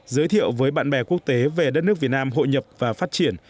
giới thiệu với bạn bè quốc tế về đất nước việt nam hội nhập và phát triển